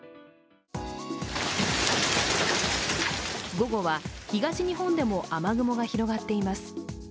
午後は東日本でも雨雲が広がっています。